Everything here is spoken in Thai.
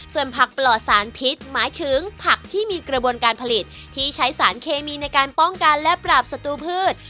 ส่วนผักปลอดสารพิษหมายถึงผักที่มีกระบวนการผลิตที่ใช้สารเคมีในการป้องกันและปราบศัตรูพืช